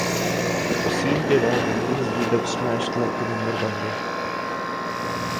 وسیم کے بعد رمیز بھی ڈب اسمیش کلب کے ممبر بن گئے